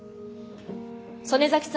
曽根崎さん